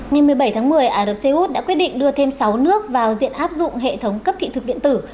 ngày một mươi bảy tháng một mươi ả rập xê út đã quyết định đưa thêm sáu nước vào diện áp dụng hệ thống cấp thị thực điện tử